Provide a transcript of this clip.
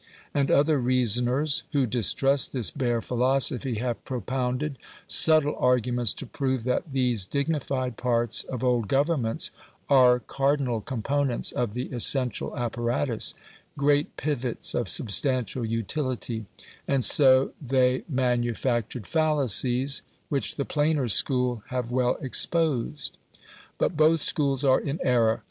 And other reasoners, who distrust this bare philosophy, have propounded subtle arguments to prove that these dignified parts of old Governments are cardinal components of the essential apparatus, great pivots of substantial utility; and so they manufactured fallacies which the plainer school have well exposed. But both schools are in error.